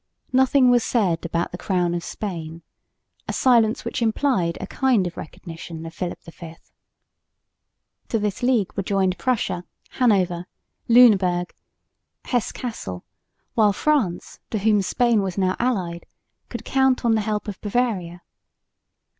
Nothing was said about the crown of Spain, a silence which implied a kind of recognition of Philip V. To this league were joined Prussia, Hanover, Lüneburg, Hesse Cassel, while France, to whom Spain was now allied, could count upon the help of Bavaria.